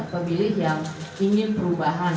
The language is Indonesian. pemilih yang ingin perubahan